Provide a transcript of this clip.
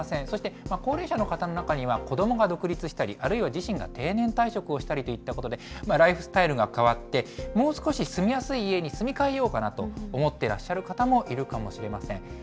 そして高齢者の方の中には、子どもが独立したり、あるいは自身が定年退職をしたりといったことで、ライフスタイルが変わって、もう少し住みやすい家に住み替えようかなと思っていらっしゃる方もいるかもしれません。